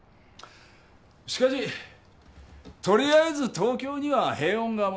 しかし取りあえず東京には平穏が戻った。